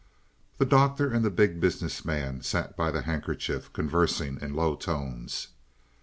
The Doctor and the Big Business Man sat by the handkerchief conversing in low tones.